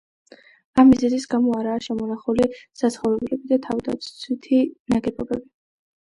ამ მიზეზის გამო არაა შემონახული საცხოვრებლები და თავდაცვითი ნაგებობები.